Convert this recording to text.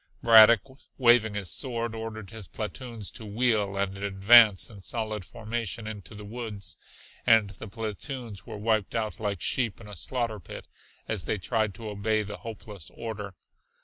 Braddock, waving his sword, ordered his platoons to wheel and advance in solid formation into the woods and the platoons were wiped out like sheep in a slaughter pit as they tried to obey the hopeless order.